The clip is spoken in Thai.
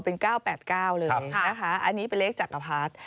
เป็น๙๘๙เลยนะคะอันนี้เป็นเลขจักรพรรดิ